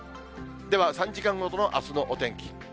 では３時間ごとのあすのお天気。